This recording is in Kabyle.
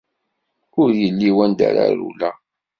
Ur illi wanda ara rewleɣ.